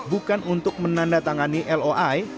bukan untuk menandatangani loi